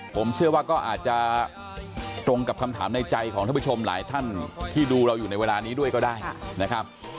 ผมเชื่อว่าก็อาจจะตรงกับคำถามในใจของท่านผู้ชมหลายท่านที่ดูเราอยู่ในเวลานี้ด้วยก็ได้นะครับ